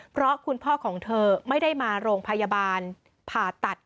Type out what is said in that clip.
เพราะคุณพ่อของเธอไม่ได้มาโรงพยาบาลผ่าตัด